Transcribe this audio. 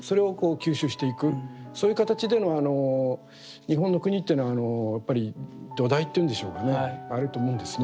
そういう形でのあの日本の国っていうのはやっぱり土台っていうんでしょうかねあると思うんですね。